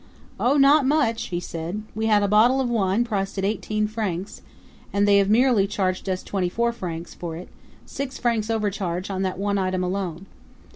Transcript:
"Oh, not much!" he said. "We had a bottle of wine priced at eighteen francs and they have merely charged us twenty four francs for it six francs overcharge on that one item alone.